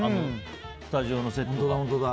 スタジオのセットが。